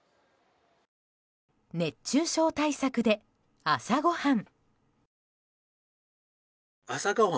熱中症対策で朝ごはん。